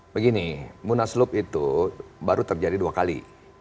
begini munaslup itu baru terjadi dua kali